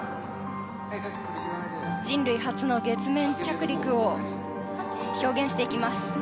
人類初の月面着陸を表現していきます。